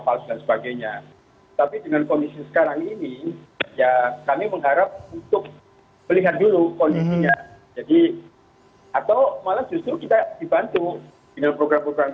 pertama bahwa pada dasarnya pedagang itu kalau dalam posisi usahanya bagus tentunya kita akan memberikan